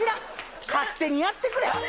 勝手にやってくれ！